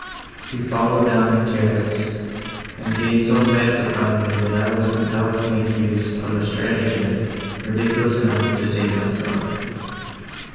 He followed down the terrace and gained so fast upon me, that I was compelled to make use of a stratagem, ridiculous enough, to save myself.